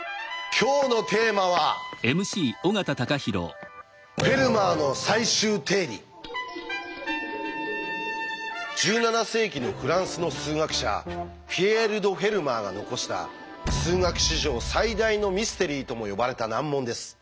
今日のテーマは１７世紀のフランスの数学者ピエール・ド・フェルマーが残した数学史上最大のミステリーとも呼ばれた難問です。